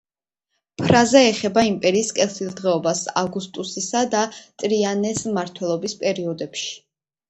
ფრაზა ეხება იმპერიის კეთილდღეობას ავგუსტუსისა და ტრაიანეს მმართველობის პერიოდებში.